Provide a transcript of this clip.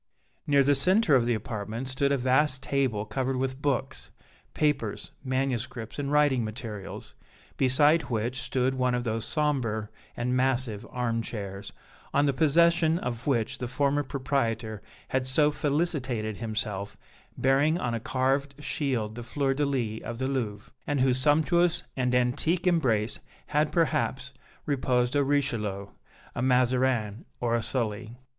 Near the centre of the apartment stood a vast table covered with books, papers, manuscripts and writing materials, beside which stood one of those sombre and massive arm chairs, on the possession of which the former proprietor had so felicitated himself, bearing on a carved shield the fleur de lis of the Louvre, and in whose sumptuous and antique embrace had, perhaps, reposed a Richelieu, a Mazarin or a Sully.